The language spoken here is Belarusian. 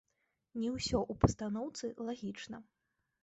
Не ўсё ў пастаноўцы лагічна.